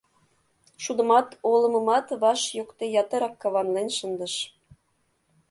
Шудымат, олымымат ваш йокте ятырак каванлен шындыш.